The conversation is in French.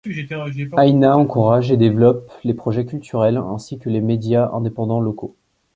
Aina encourage et développe les projets culturels ainsi que les médias indépendants locaux.